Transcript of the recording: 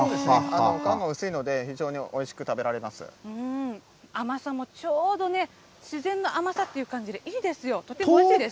皮が薄いので、甘さもちょうどね、自然の甘さっていう感じでいいですよ、とてもおいしいです。